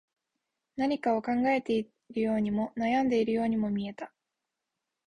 何かを考えているようにも、悩んでいるようにも見えた